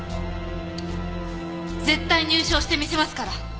絶対入賞してみせますから。